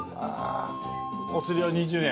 お釣りの２０円。